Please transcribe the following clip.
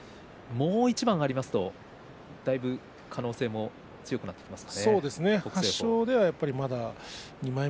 もう一番勝つとだいぶ可能性が強くなってきますか？